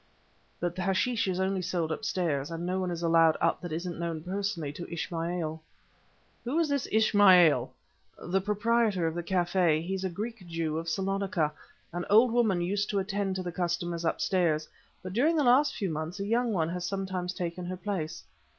But the hashish is only sold upstairs, and no one is allowed up that isn't known personally to Ismail." "Who is this Ismail?" "The proprietor of the café. He's a Greek Jew of Salonica. An old woman used to attend to the customers upstairs, but during the last few months a young one has sometimes taken her place."